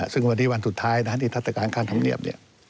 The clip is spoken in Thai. ซึ่งวันนี้วันสุดท้ายนิทัศกาลค่าธรรมเนียบ